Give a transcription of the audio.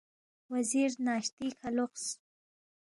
وزیر ناشتی کھہ لوقس